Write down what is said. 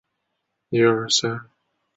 灵神星来命名。